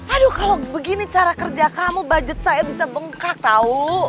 aduh kalau begini cara kerja kamu budget saya bisa bengkak tahu